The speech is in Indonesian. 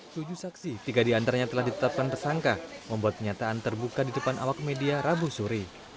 tujuh saksi tiga di antaranya telah ditetapkan tersangka membuat kenyataan terbuka di depan awak media rabu suri